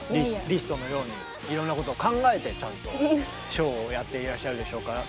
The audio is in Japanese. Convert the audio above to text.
リストのようにいろんなことを考えてちゃんとショーをやっていらっしゃるでしょうから。